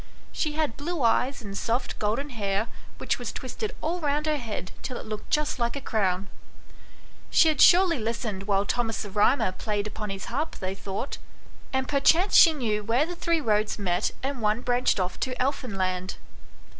She had blue eyes and soft golden hair, which was twisted all round her head, till it looked just like a crown. She had surely listened while Thomas the Ehymer played upon his harp, they thought ; and perchance she knew where the three roads met and one branched off to Elfinland.